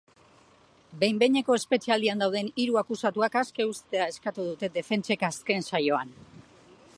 Behin-behineko espetxealdian dauden hiru akusatuak aske uztea eskatu dute defentsek azken saioan.